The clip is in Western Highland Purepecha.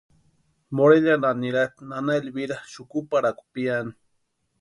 Morelianha niraspti nana Elvira xukuparhakwa piani.